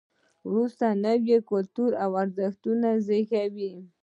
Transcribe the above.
وروسته نوي کلتوري ارزښتونه زیږېږي.